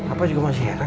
apa juga masih heran